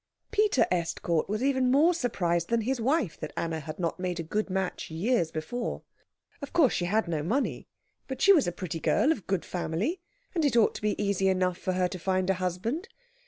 Peter Estcourt was even more surprised than his wife that Anna had not made a good match years before. Of course she had no money, but she was a pretty girl of good family, and it ought to be easy enough for her to find a husband.